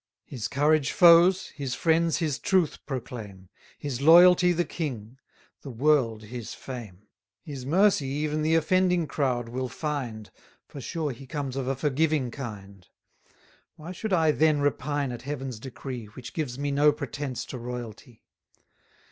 His courage foes his friends his truth proclaim; His loyalty the king the world his fame. His mercy even the offending crowd will find; For sure he comes of a forgiving kind. 360 Why should I then repine at Heaven's decree, Which gives me no pretence to royalty?